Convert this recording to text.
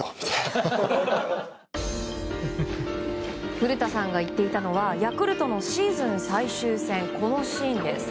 古田さんが言っていたのはヤクルトのシーズン最終戦のこのシーンです。